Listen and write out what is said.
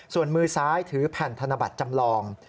ส่วนมือซ้ายถือแผ่นธนบัตรจำลอง